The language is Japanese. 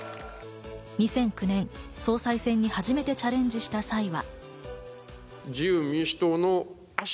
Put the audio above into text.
２００９年総裁選に初めてチャレンジした際は。